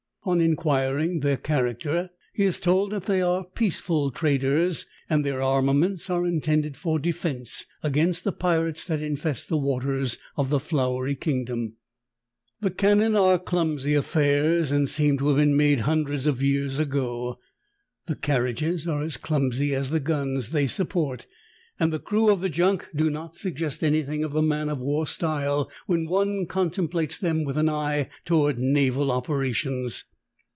On inquiring their character he is told that they are peaceful traders, and their armaments are intended for defense against the pirates that infest the waters of the Flowery Kingdom. The cannon are clumsy affairs, and seem to have been made hundreds of years ago ; the carriages are as clumsy as the guns they support, and the crew of the junk do not suggest anything of the man of war style when one con templates them with an eye to naval operations.